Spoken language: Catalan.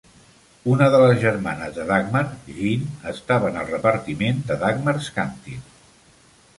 Una de les germanes de Dagmar, Jean, estava en el repartiment de "Dagmar's Canteen".